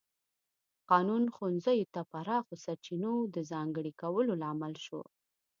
قانون ښوونځیو ته پراخو سرچینو د ځانګړي کولو لامل شو.